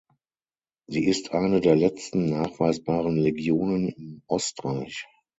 Sie ist eine der letzten nachweisbaren Legionen im Ostreich.